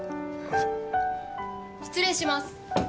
失礼します。